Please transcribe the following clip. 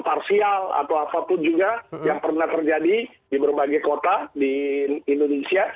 parsial atau apapun juga yang pernah terjadi di berbagai kota di indonesia